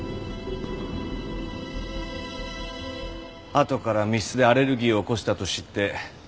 あとから密室でアレルギーを起こしたと知って。